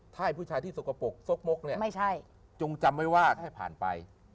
ถ้าไอ้ผู้ชายที่สกปกสกมกจงจำไว้ว่าให้ผ่านไป